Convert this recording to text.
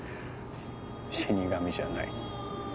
死に神じゃない